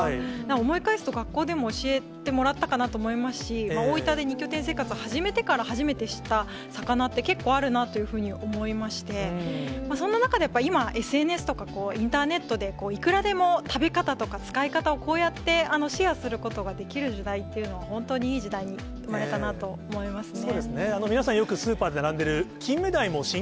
思い返すと、学校でも教えてもらったかなと思いますし、大分で２拠点生活を初めて知った魚って、結構あるなというふうに思いまして、そんな中で、やっぱり今、ＳＮＳとかインターネットでいくらでも食べ方とか使い方を、こうやってシェアすることができる時代っていうのは、本当にいい時代に生まれたなと思いますね。